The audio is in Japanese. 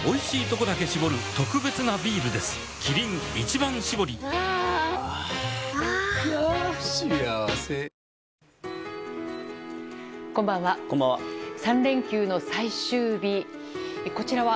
こんばんは。